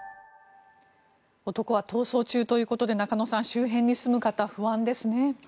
男は逃走中ということで中野さん周辺に住む方不安ですね。